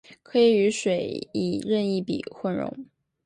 可以与水以任意比混溶。